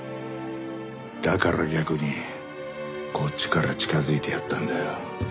だから逆にこっちから近づいてやったんだよ。